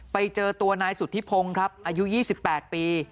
ไปเจอตัวนายสุธิพงศ์ครับอายุ๒๘ปี